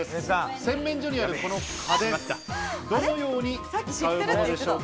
洗面所にあるこの壁、どのように使うものでしょうか？